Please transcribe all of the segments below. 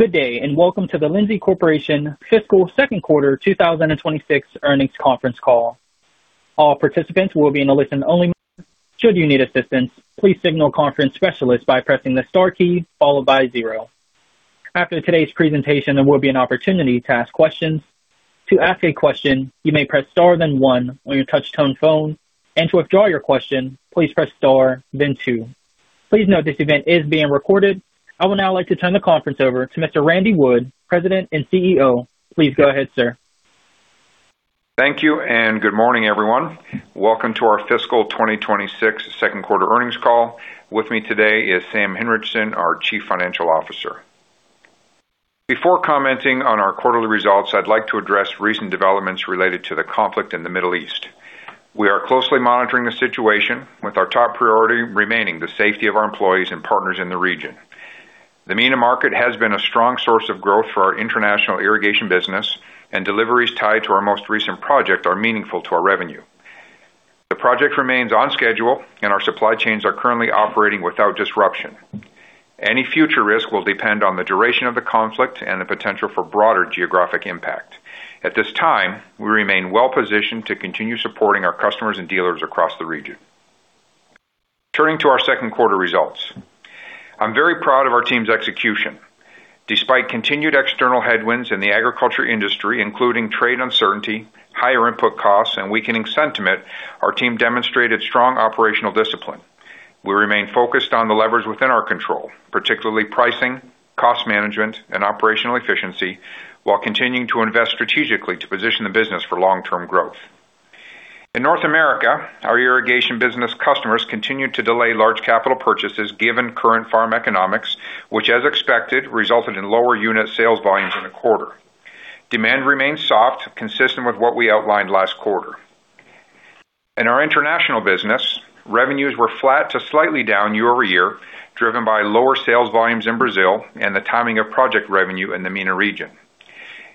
Good day, and welcome to the Lindsay Corporation Fiscal Second Quarter 2026 earnings conference call. All participants will be in a listen-only mode. Should you need assistance, please signal conference specialist by pressing the star key followed by zero. After today's presentation, there will be an opportunity to ask questions. To ask a question, you may press star then one on your touchtone phone, and to withdraw your question, please press star then two. Please note this event is being recorded. I would now like to turn the conference over to Mr. Randy Wood, President and CEO. Please go ahead, sir. Thank you and good morning, everyone. Welcome to our fiscal 2026 second quarter earnings call. With me today is Sam Hinrichsen, our Chief Financial Officer. Before commenting on our quarterly results, I'd like to address recent developments related to the conflict in the Middle East. We are closely monitoring the situation with our top priority remaining the safety of our employees and partners in the region. The MENA market has been a strong source of growth for our international irrigation business, and deliveries tied to our most recent project are meaningful to our revenue. The project remains on schedule and our supply chains are currently operating without disruption. Any future risk will depend on the duration of the conflict and the potential for broader geographic impact. At this time, we remain well-positioned to continue supporting our customers and dealers across the region. Turning to our second quarter results. I'm very proud of our team's execution. Despite continued external headwinds in the agriculture industry, including trade uncertainty, higher input costs, and weakening sentiment, our team demonstrated strong operational discipline. We remain focused on the levers within our control, particularly pricing, cost management, and operational efficiency, while continuing to invest strategically to position the business for long-term growth. In North America, our irrigation business customers continued to delay large capital purchases given current farm economics, which as expected, resulted in lower unit sales volumes in the quarter. Demand remains soft, consistent with what we outlined last quarter. In our international business, revenues were flat to slightly down year-over-year, driven by lower sales volumes in Brazil and the timing of project revenue in the MENA region.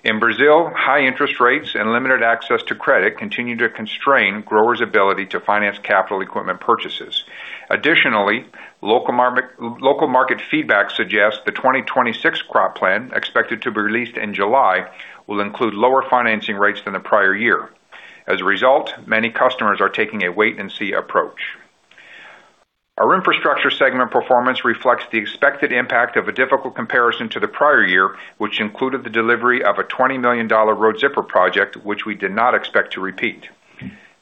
In Brazil, high interest rates and limited access to credit continued to constrain growers' ability to finance capital equipment purchases. Additionally, local market feedback suggests the 2026 crop plan, expected to be released in July, will include lower financing rates than the prior year. As a result, many customers are taking a wait and see approach. Our Infrastructure segment performance reflects the expected impact of a difficult comparison to the prior year, which included the delivery of a $20 million Road Zipper project, which we did not expect to repeat.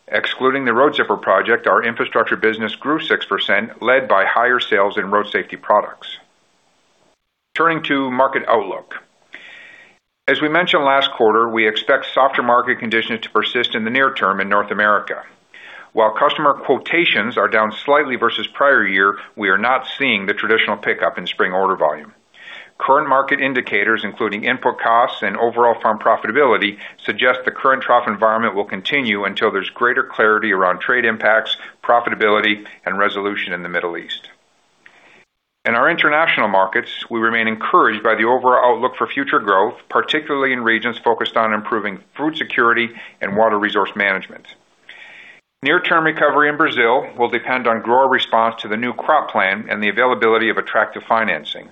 Excluding the Road Zipper project, our Infrastructure business grew 6% led by higher sales in road safety products. Turning to market outlook. As we mentioned last quarter, we expect softer market conditions to persist in the near term in North America. While customer quotations are down slightly versus prior year, we are not seeing the traditional pickup in spring order volume. Current market indicators, including input costs and overall farm profitability, suggest the current trough environment will continue until there's greater clarity around trade impacts, profitability, and resolution in the Middle East. In our international markets, we remain encouraged by the overall outlook for future growth, particularly in regions focused on improving food security and water resource management. Near term recovery in Brazil will depend on grower response to the new crop plan and the availability of attractive financing.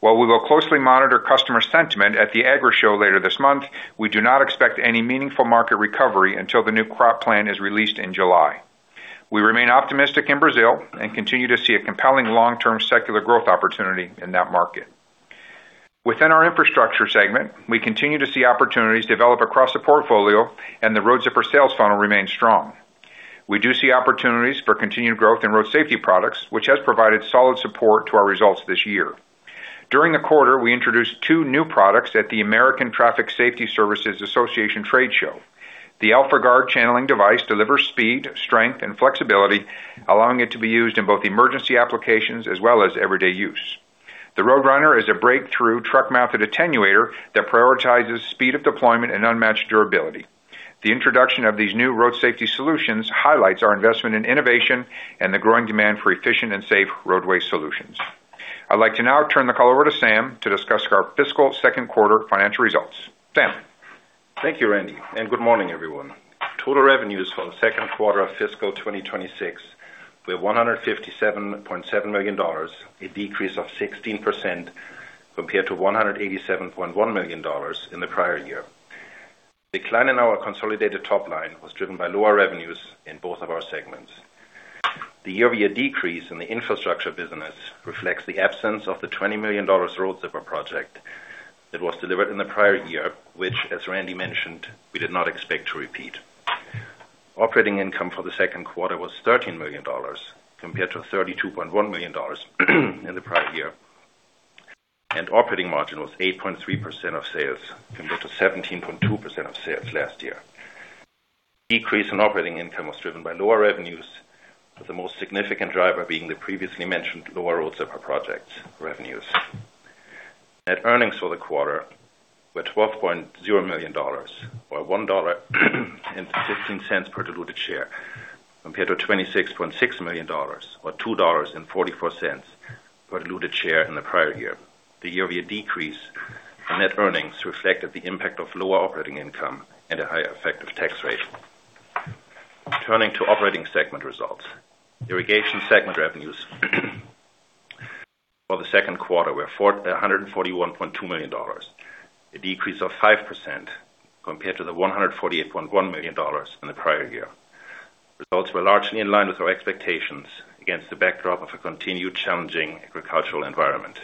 While we will closely monitor customer sentiment at the Agrishow later this month, we do not expect any meaningful market recovery until the new crop plan is released in July. We remain optimistic in Brazil and continue to see a compelling long-term secular growth opportunity in that market. Within our infrastructure segment, we continue to see opportunities develop across the portfolio and the Road Zipper sales funnel remains strong. We do see opportunities for continued growth in road safety products, which has provided solid support to our results this year. During the quarter, we introduced two new products at the American Traffic Safety Services Association trade show. The AlphaGuard channeling device delivers speed, strength, and flexibility, allowing it to be used in both emergency applications as well as everyday use. The Road Runner is a breakthrough truck-mounted attenuator that prioritizes speed of deployment and unmatched durability. The introduction of these new road safety solutions highlights our investment in innovation and the growing demand for efficient and safe roadway solutions. I'd like to now turn the call over to Sam to discuss our fiscal second quarter financial results. Sam. Thank you, Randy, and good morning, everyone. Total revenues for the second quarter of fiscal 2026 were $157.7 million, a decrease of 16% compared to $187.1 million in the prior year. Decline in our consolidated top line was driven by lower revenues in both of our segments. The year-over-year decrease in the infrastructure business reflects the absence of the $20 million Road Zipper project that was delivered in the prior year, which, as Randy mentioned, we did not expect to repeat. Operating income for the second quarter was $13 million compared to $32.1 million in the prior year, and operating margin was 8.3% of sales compared to 17.2% of sales last year. Decrease in operating income was driven by lower revenues, with the most significant driver being the previously mentioned lower Road Zipper projects revenues. Net earnings for the quarter were $12.0 million or $1.16 per diluted share, compared to $26.6 million or $2.44 per diluted share in the prior year. The year-over-year decrease in net earnings reflected the impact of lower operating income and a higher effective tax rate. Turning to operating segment results. Irrigation segment revenues for the second quarter were $141.2 million, a decrease of 5% compared to the $148.1 million in the prior year. Results were largely in line with our expectations against the backdrop of a continued challenging agricultural environment.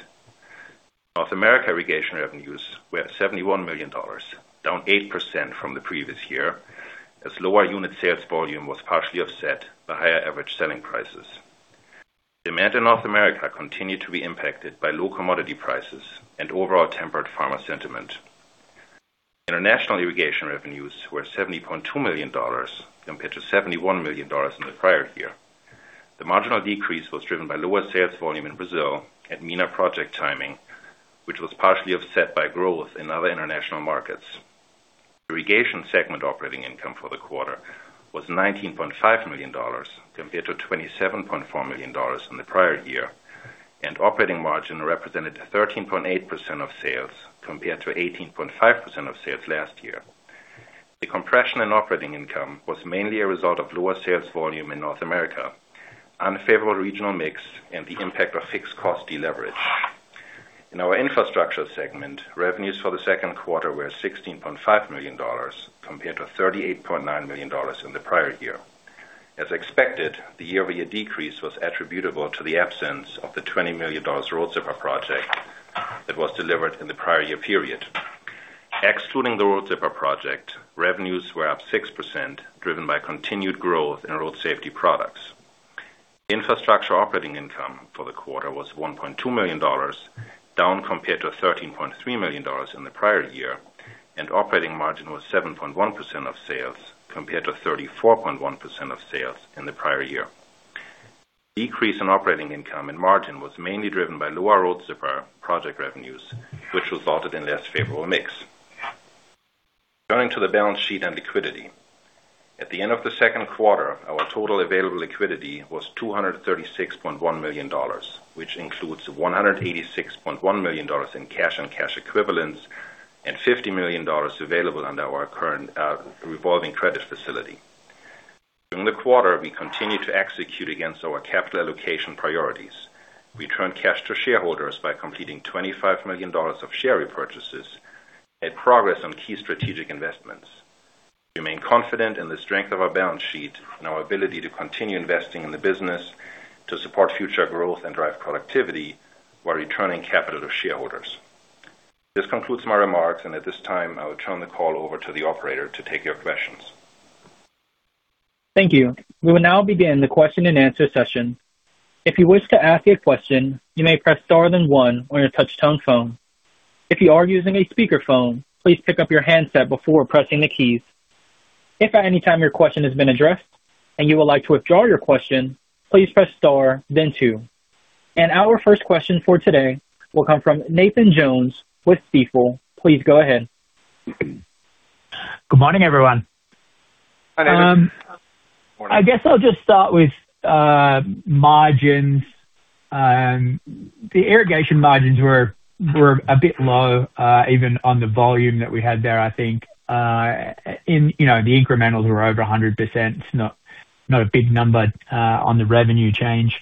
North America irrigation revenues were $71 million, down 8% from the previous year, as lower unit sales volume was partially offset by higher average selling prices. Demand in North America continued to be impacted by low commodity prices and overall tempered farmer sentiment. International irrigation revenues were $70.2 million compared to $71 million in the prior year. The marginal decrease was driven by lower sales volume in Brazil and MENA project timing, which was partially offset by growth in other international markets. Irrigation segment operating income for the quarter was $19.5 million compared to $27.4 million in the prior year, and operating margin represented 13.8% of sales, compared to 18.5% of sales last year. The compression in operating income was mainly a result of lower sales volume in North America, unfavorable regional mix, and the impact of fixed cost deleverage. In our Infrastructure segment, revenues for the second quarter were $16.5 million compared to $38.9 million in the prior year. As expected, the year-over-year decrease was attributable to the absence of the $20 million Road Zipper project that was delivered in the prior year period. Excluding the Road Zipper project, revenues were up 6%, driven by continued growth in road safety products. Infrastructure operating income for the quarter was $1.2 million, down compared to $13.3 million in the prior year, and operating margin was 7.1% of sales compared to 34.1% of sales in the prior year. Decrease in operating income and margin was mainly driven by lower Road Zipper project revenues, which resulted in less favorable mix. Turning to the balance sheet and liquidity. At the end of the second quarter, our total available liquidity was $236.1 million, which includes $186.1 million in cash and cash equivalents, and $50 million available under our current revolving credit facility. During the quarter, we continued to execute against our capital allocation priorities. We returned cash to shareholders by completing $25 million of share repurchases and progress on key strategic investments. We remain confident in the strength of our balance sheet and our ability to continue investing in the business to support future growth and drive productivity while returning capital to shareholders. This concludes my remarks, and at this time, I will turn the call over to the operator to take your questions. Thank you. We will now begin the question-and-answer session. If you wish to ask a question, you may press star then one on a touchtone phone. If you are using a speakerphone, please pick up your handset before pressing the keys. If at any time your question has been addressed and you would like to withdraw your question, please press star then two. Our first question for today will come from Nathan Jones with Stifel. Please go ahead. Good morning, everyone. Good morning. I guess I'll just start with margins. The irrigation margins were a bit low, even on the volume that we had there, I think. You know, the incrementals were over 100%. It's not a big number on the revenue change.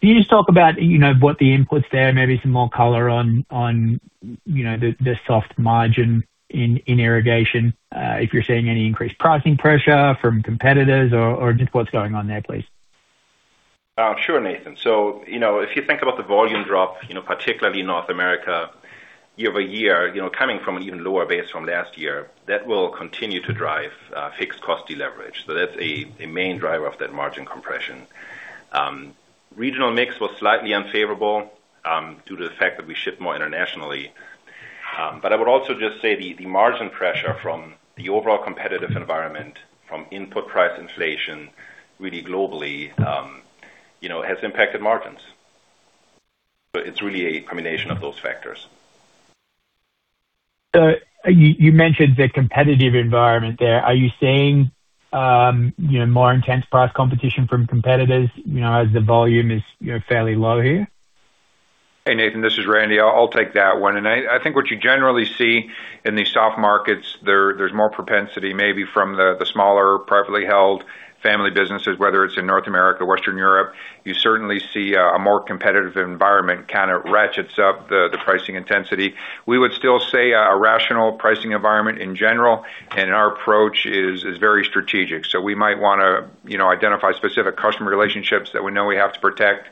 Can you just talk about, you know, what the input's there, maybe some more color on, you know, the soft margin in irrigation, if you're seeing any increased pricing pressure from competitors or just what's going on there, please? Sure, Nathan. You know, if you think about the volume drop, you know, particularly in North America, year-over-year, you know, coming from an even lower base from last year, that will continue to drive fixed cost deleverage. That's a main driver of that margin compression. Regional mix was slightly unfavorable due to the fact that we ship more internationally. I would also just say the margin pressure from the overall competitive environment, from input price inflation, really globally, you know, has impacted margins. It's really a combination of those factors. You mentioned the competitive environment there. Are you seeing, you know, more intense price competition from competitors, you know, as the volume is, you know, fairly low here? Hey, Nathan, this is Randy. I'll take that one. I think what you generally see in these soft markets there's more propensity maybe from the smaller, privately held family businesses, whether it's in North America or Western Europe. You certainly see a more competitive environment, kinda ratchets up the pricing intensity. We would still say a rational pricing environment in general, and our approach is very strategic. So we might wanna, you know, identify specific customer relationships that we know we have to protect.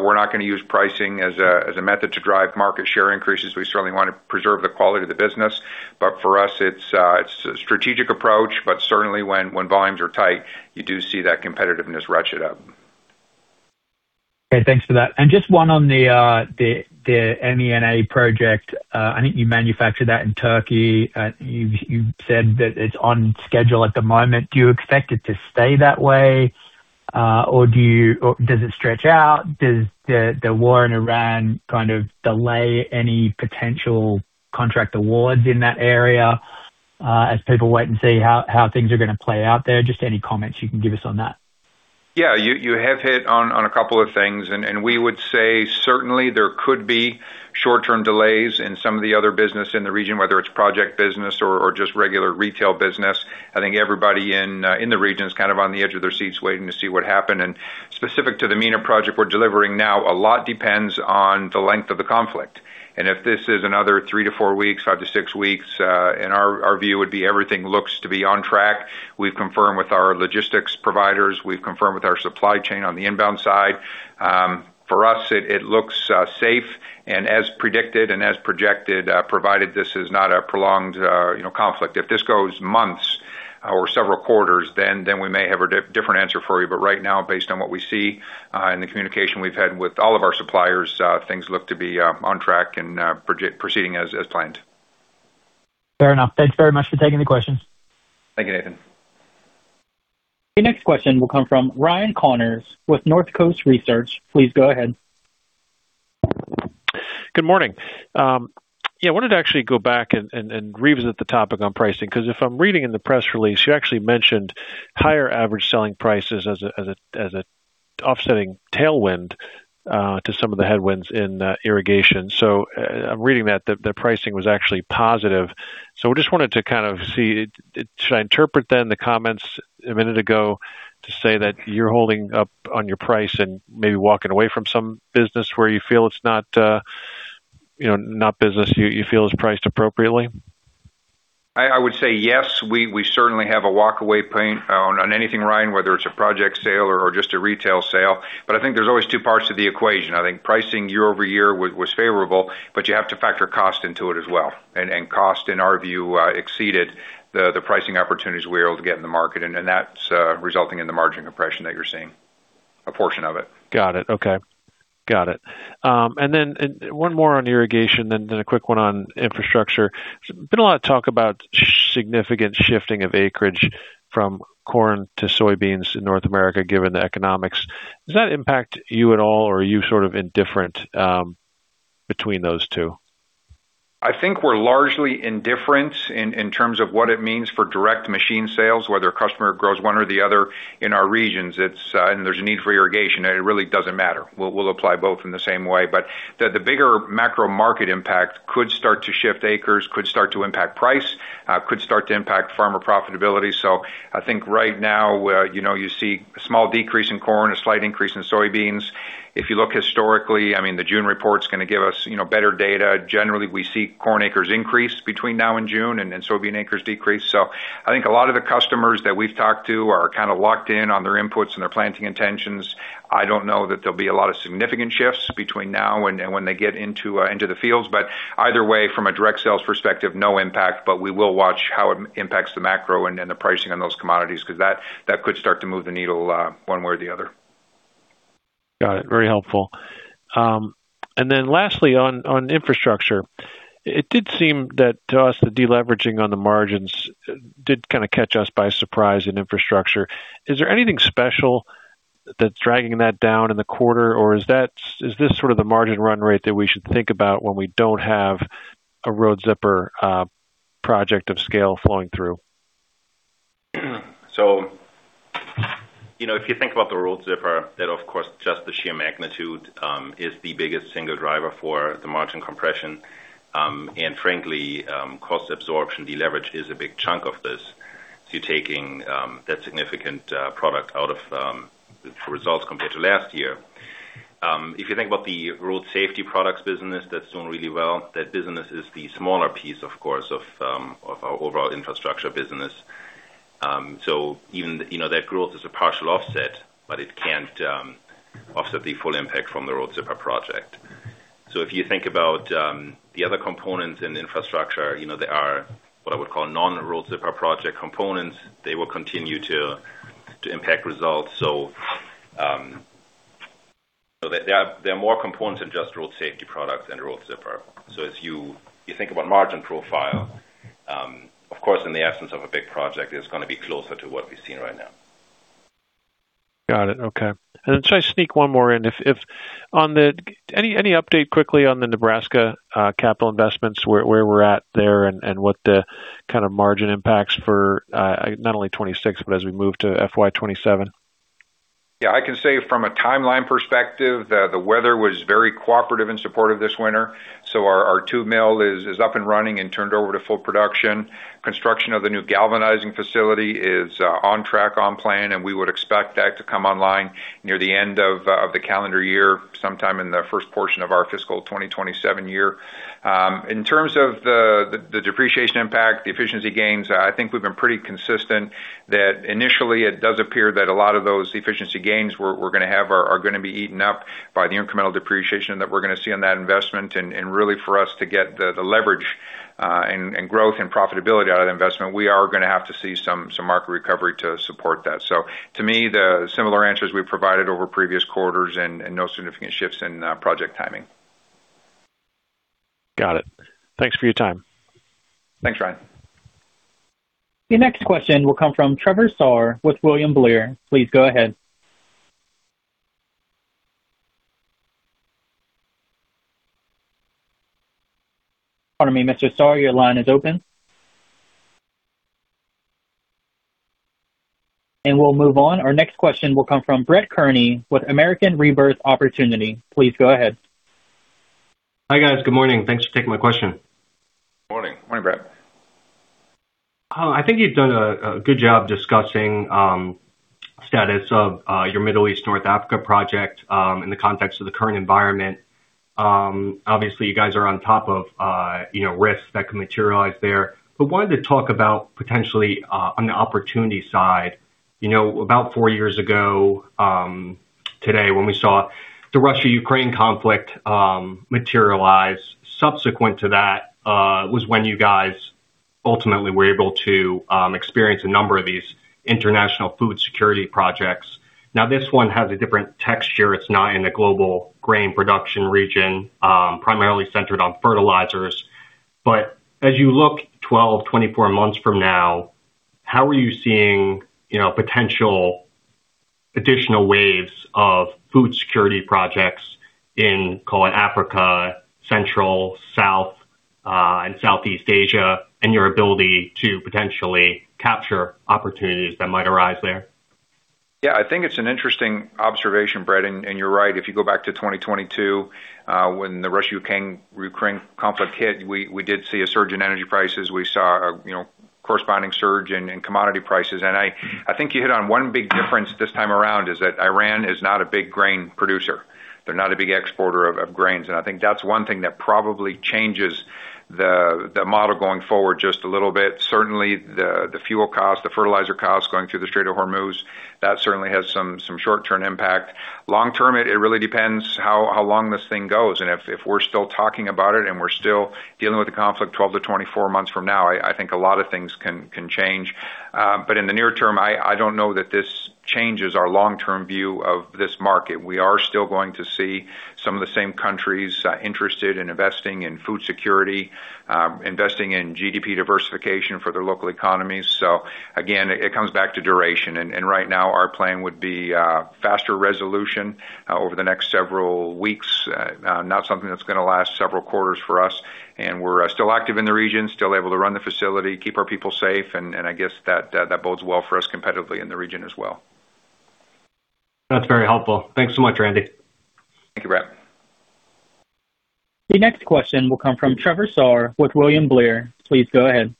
We're not gonna use pricing as a method to drive market share increases. We certainly want to preserve the quality of the business. For us, it's a strategic approach, but certainly when volumes are tight, you do see that competitiveness ratchet up. Okay. Thanks for that. Just one on the MENA project. I think you manufacture that in Turkey. You've said that it's on schedule at the moment. Do you expect it to stay that way? Or does it stretch out? Does the war in Iran kind of delay any potential contract awards in that area, as people wait and see how things are gonna play out there? Just any comments you can give us on that. Yeah, you have hit on a couple of things, and we would say certainly there could be short-term delays in some of the other business in the region, whether it's project business or just regular retail business. I think everybody in the region is kind of on the edge of their seats waiting to see what happened. Specific to the MENA project we're delivering now, a lot depends on the length of the conflict. If this is another 3-4 weeks, 5-6 weeks, and our view would be everything looks to be on track. We've confirmed with our logistics providers. We've confirmed with our supply chain on the inbound side. For us, it looks safe and as predicted and as projected, provided this is not a prolonged, you know, conflict. If this goes months or several quarters, then we may have a different answer for you. But right now, based on what we see, and the communication we've had with all of our suppliers, things look to be on track and proceeding as planned. Fair enough. Thanks very much for taking the question. Thank you, Nathan. Your next question will come from Ryan Connors with Northcoast Research. Please go ahead. Good morning. Yeah, I wanted to actually go back and revisit the topic on pricing, 'cause if I'm reading in the press release, you actually mentioned higher average selling prices as an offsetting tailwind to some of the headwinds in irrigation. I'm reading that the pricing was actually positive. I just wanted to kind of see, should I interpret then the comments a minute ago to say that you're holding up on your price and maybe walking away from some business where you feel it's not, you know, business you feel is priced appropriately? I would say yes, we certainly have a walkaway point on anything, Ryan, whether it's a project sale or just a retail sale. I think there's always two parts to the equation. I think pricing year-over-year was favorable, but you have to factor cost into it as well. Cost, in our view, exceeded the pricing opportunities we're able to get in the market. That's resulting in the margin compression that you're seeing, a portion of it. Got it. Okay. Got it. One more on irrigation, then a quick one on infrastructure. There's been a lot of talk about significant shifting of acreage from corn to soybeans in North America, given the economics. Does that impact you at all, or are you sort of indifferent between those two? I think we're largely indifferent in terms of what it means for direct machine sales, whether a customer grows one or the other in our regions. It's, and there's a need for irrigation, and it really doesn't matter. We'll apply both in the same way. The bigger macro market impact could start to shift acres, could start to impact price, could start to impact farmer profitability. I think right now, you know, you see a small decrease in corn, a slight increase in soybeans. If you look historically, I mean, the June report's gonna give us, you know, better data. Generally, we see corn acres increase between now and June, and then soybean acres decrease. I think a lot of the customers that we've talked to are kind of locked in on their inputs and their planting intentions. I don't know that there'll be a lot of significant shifts between now and when they get into the fields. Either way, from a direct sales perspective, no impact, but we will watch how it impacts the macro and then the pricing on those commodities, 'cause that could start to move the needle one way or the other. Got it. Very helpful. Lastly, on Infrastructure, it did seem that to us, the deleveraging on the margins did kind of catch us by surprise in Infrastructure. Is there anything special that's dragging that down in the quarter, or is this sort of the margin run rate that we should think about when we don't have a Road Zipper project of scale flowing through? You know, if you think about the Road Zipper, that of course, just the sheer magnitude is the biggest single driver for the margin compression. Cost absorption deleverage is a big chunk of this. You're taking that significant product out of results compared to last year. If you think about the road safety products business that's doing really well, that business is the smaller piece, of course, of our overall infrastructure business. Even, you know, that growth is a partial offset, but it can't offset the full impact from the Road Zipper project. If you think about the other components in infrastructure, you know, there are what I would call non-Road Zipper project components. They will continue to impact results. There are more components than just road safety products and Road Zipper. As you think about margin profile, of course, in the absence of a big project, it's gonna be closer to what we've seen right now. Got it. Okay. Should I sneak one more in? Any update quickly on the Nebraska capital investments, where we're at there and what the kind of margin impacts for not only 2026, but as we move to FY 2027? Yeah, I can say from a timeline perspective, the weather was very cooperative and supportive this winter, so our tube mill is up and running and turned over to full production. Construction of the new galvanizing facility is on track, on plan, and we would expect that to come online near the end of the calendar year, sometime in the first portion of our fiscal 2027 year. In terms of the depreciation impact, the efficiency gains, I think we've been pretty consistent that initially it does appear that a lot of those efficiency gains we're gonna have are gonna be eaten up by the incremental depreciation that we're gonna see on that investment. Really, for us to get the leverage and growth and profitability out of the investment, we are gonna have to see some market recovery to support that. To me, the similar answers we've provided over previous quarters and no significant shifts in project timing. Got it. Thanks for your time. Thanks, Ryan. Your next question will come from Trevor Romeo with William Blair. Please go ahead. Pardon me, Mr. Romeo, your line is open. We'll move on. Our next question will come from Brett Kearney with American Rebirth Opportunity. Please go ahead. Hi, guys. Good morning. Thanks for taking my question. Morning. Morning, Brett. I think you've done a good job discussing status of your Middle East North Africa project in the context of the current environment. Obviously, you guys are on top of you know, risks that can materialize there. Wanted to talk about potentially on the opportunity side. You know, about four years ago today when we saw the Russia-Ukraine conflict materialize, subsequent to that was when you guys ultimately were able to experience a number of these international food security projects. Now, this one has a different texture. It's not in a global grain production region primarily centered on fertilizers. as you look 12-24 months from now, how are you seeing, you know, potential additional waves of food security projects in, call it Africa, Central, South, and Southeast Asia, and your ability to potentially capture opportunities that might arise there? Yeah, I think it's an interesting observation, Brett, and you're right. If you go back to 2022, when the Russia-Ukraine conflict hit, we did see a surge in energy prices. We saw a, you know, corresponding surge in commodity prices. I think you hit on one big difference this time around is that Iran is not a big grain producer. They're not a big exporter of grains. I think that's one thing that probably changes the model going forward just a little bit. Certainly the fuel costs, the fertilizer costs going through the Strait of Hormuz, that certainly has some short-term impact. Long-term, it really depends how long this thing goes. If we're still talking about it, and we're still dealing with the conflict 12-24 months from now, I think a lot of things can change. In the near term, I don't know that this changes our long-term view of this market. We are still going to see some of the same countries interested in investing in food security, investing in GDP diversification for their local economies. Again, it comes back to duration. Right now, our plan would be faster resolution over the next several weeks, not something that's gonna last several quarters for us. We're still active in the region, still able to run the facility, keep our people safe, and I guess that bodes well for us competitively in the region as well. That's very helpful. Thanks so much, Randy. Thank you, Brett. The next question will come from Trevor Romeo with William Blair. Please go ahead.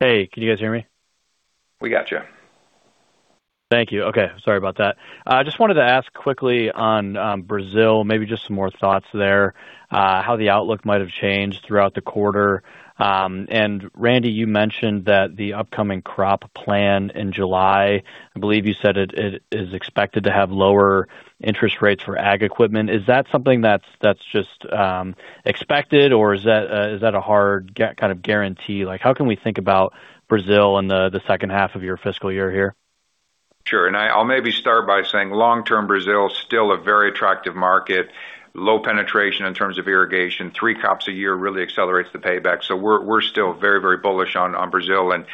Hey, can you guys hear me? We got you. Thank you. Okay, sorry about that. I just wanted to ask quickly on Brazil, maybe just some more thoughts there, how the outlook might have changed throughout the quarter. Randy, you mentioned that the upcoming crop plan in July, I believe you said it, is expected to have lower interest rates for ag equipment. Is that something that's just expected or is that a hard kind of guarantee? Like, how can we think about Brazil in the second half of your fiscal year here? Sure. I'll maybe start by saying long-term Brazil is still a very attractive market. Low penetration in terms of irrigation. Three crops a year really accelerates the payback. We're still very, very bullish on Brazil. What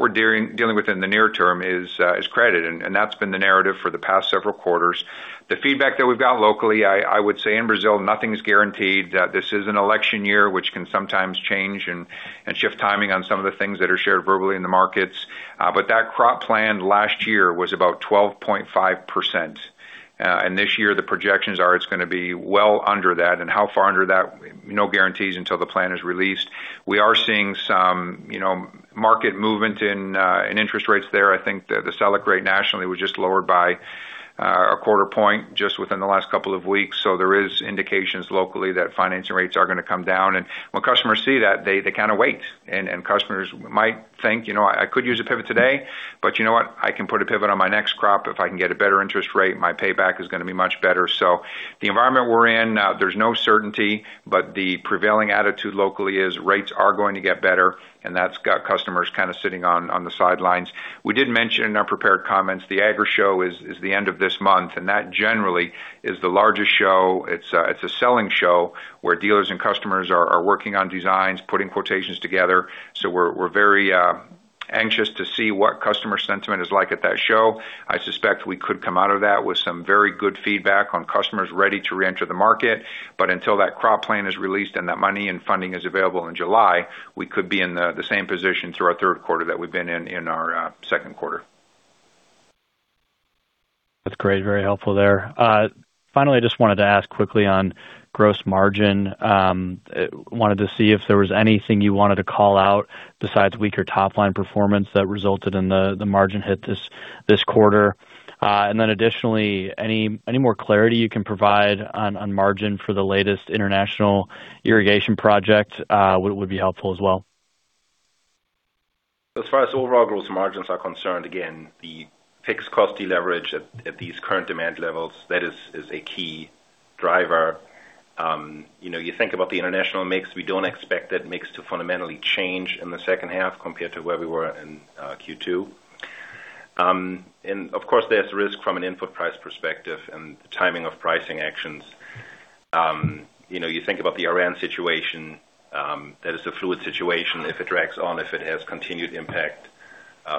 we're dealing with in the near term is credit, and that's been the narrative for the past several quarters. The feedback that we've got locally, I would say in Brazil, nothing's guaranteed. This is an election year, which can sometimes change and shift timing on some of the things that are shared verbally in the markets. That crop plan last year was about 12.5%. This year, the projections are it's gonna be well under that. How far under that? No guarantees until the plan is released. We are seeing some, you know, market movement in interest rates there. I think the Selic rate nationally was just lowered by a quarter point just within the last couple of weeks. There is indications locally that financing rates are gonna come down. When customers see that, they kinda wait, and customers might think, "You know, I could use a pivot today, but you know what? I can put a pivot on my next crop if I can get a better interest rate. My payback is gonna be much better." The environment we're in, there's no certainty, but the prevailing attitude locally is rates are going to get better, and that's got customers kind of sitting on the sidelines. We did mention in our prepared comments, the Agrishow is the end of this month, and that generally is the largest show. It's a selling show where dealers and customers are working on designs, putting quotations together. So we're very anxious to see what customer sentiment is like at that show. I suspect we could come out of that with some very good feedback on customers ready to reenter the market. But until that crop plan is released and that money and funding is available in July, we could be in the same position through our third quarter that we've been in in our second quarter. That's great. Very helpful there. Finally, I just wanted to ask quickly on gross margin. Wanted to see if there was anything you wanted to call out besides weaker top-line performance that resulted in the margin hit this quarter. Any more clarity you can provide on margin for the latest international irrigation project would be helpful as well. As far as overall gross margins are concerned, again, the fixed cost deleverage at these current demand levels, that is a key driver. You know, you think about the international mix, we don't expect that mix to fundamentally change in the second half compared to where we were in Q2. And of course, there's risk from an input price perspective and the timing of pricing actions. You know, you think about the Iran situation, that is a fluid situation. If it drags on, if it has continued impact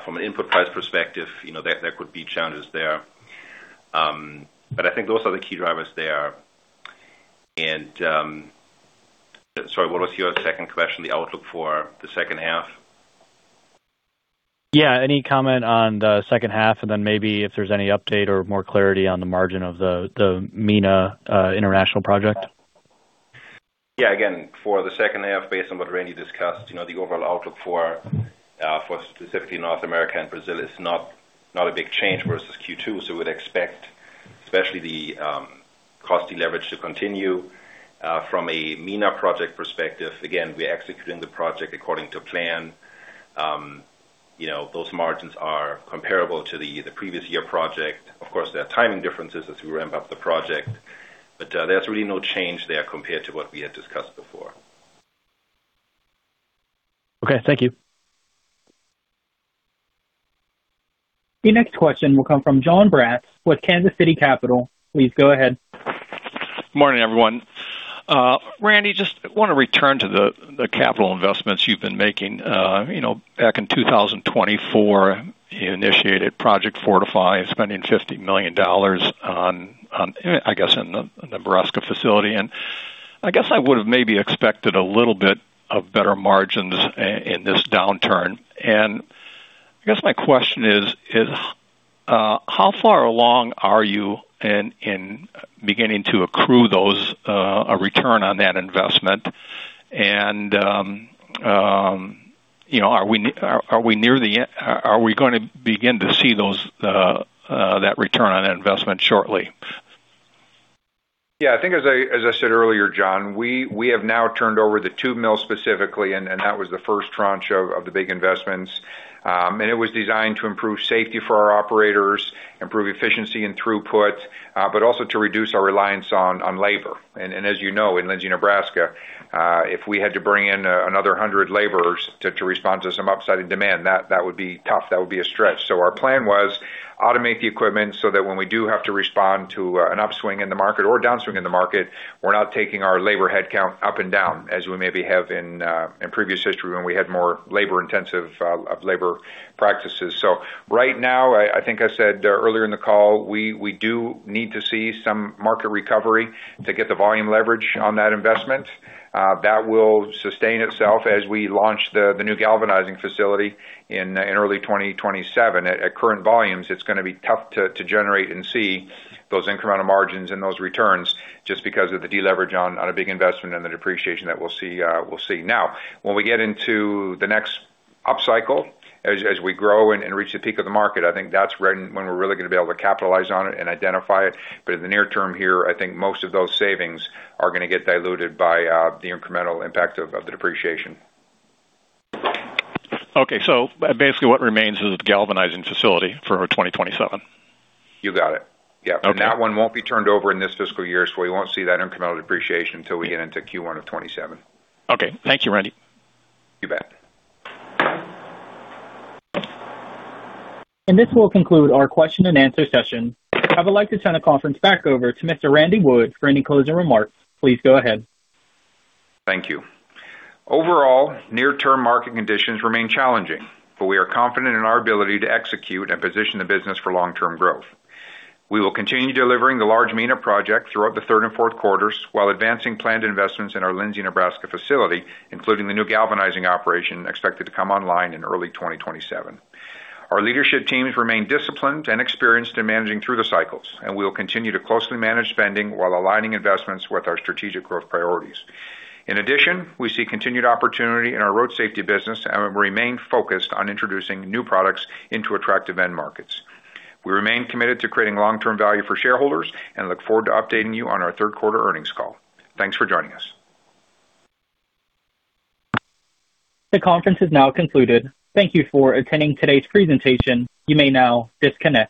from an input price perspective, you know, there could be challenges there. I think those are the key drivers there. Sorry, what was your second question? The outlook for the second half? Yeah. Any comment on the second half, and then maybe if there's any update or more clarity on the margin of the MENA international project. Yeah. Again, for the second half, based on what Randy discussed, you know, the overall outlook for specifically North America and Brazil is not a big change versus Q2. We'd expect especially the cost deleverage to continue. From a MENA project perspective, again, we're executing the project according to plan. You know, those margins are comparable to the previous year project. Of course, there are timing differences as we ramp up the project, but there's really no change there compared to what we had discussed before. Okay. Thank you. Your next question will come from Jonathan Braatz with Kansas City Capital. Please go ahead. Morning, everyone. Randy, just wanna return to the capital investments you've been making. You know, back in 2024, you initiated Project Fortify, spending $50 million on, I guess, in the Nebraska facility. I guess I would have maybe expected a little bit of better margins in this downturn. I guess my question is, how far along are you in beginning to accrue those, a return on that investment? You know, are we gonna begin to see those, that return on investment shortly? Yeah. I think as I said earlier, Jon, we have now turned over the tube mill specifically, and that was the first tranche of the big investments. It was designed to improve safety for our operators, improve efficiency and throughput, but also to reduce our reliance on labor. As you know, in Lindsay, Nebraska, if we had to bring in another 100 laborers to respond to some upside in demand, that would be tough. That would be a stretch. Our plan was to automate the equipment so that when we do have to respond to an upswing in the market or a downswing in the market, we're not taking our labor headcount up and down as we maybe have in previous history when we had more labor-intensive labor practices. Right now, I think I said earlier in the call, we do need to see some market recovery to get the volume leverage on that investment. That will sustain itself as we launch the new galvanizing facility in early 2027. At current volumes, it's gonna be tough to generate and see those incremental margins and those returns just because of the deleverage on a big investment and the depreciation that we'll see. Now, when we get into the next upcycle, as we grow and reach the peak of the market, I think that's when we're really gonna be able to capitalize on it and identify it. In the near term here, I think most of those savings are gonna get diluted by the incremental impact of the depreciation. Okay. Basically what remains is the galvanizing facility for 2027. You got it. Yeah. Okay. That one won't be turned over in this fiscal year, so we won't see that incremental depreciation till we get into Q1 of 2027. Okay. Thank you, Randy. You bet. This will conclude our question and answer session. I would like to turn the conference back over to Mr. Randy Wood for any closing remarks. Please go ahead. Thank you. Overall, near-term market conditions remain challenging, but we are confident in our ability to execute and position the business for long-term growth. We will continue delivering the large MENA project throughout the third and fourth quarters while advancing planned investments in our Lindsay, Nebraska facility, including the new galvanizing operation expected to come online in early 2027. Our leadership teams remain disciplined and experienced in managing through the cycles, and we will continue to closely manage spending while aligning investments with our strategic growth priorities. In addition, we see continued opportunity in our road safety business and remain focused on introducing new products into attractive end markets. We remain committed to creating long-term value for shareholders and look forward to updating you on our third quarter earnings call. Thanks for joining us. The conference has now concluded. Thank you for attending today's presentation. You may now disconnect.